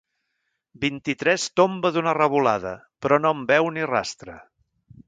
Vint-i-tres tomba d'una revolada, però no en veu ni rastre.